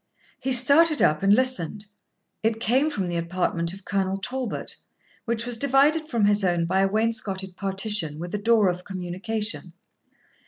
He started up and listened; it came from the apartment of Colonel Talbot, which was divided from his own by a wainscotted partition, with a door of communication.